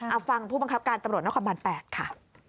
เอาฟังผู้บังคับการตำรวจนครบาน๘ค่ะ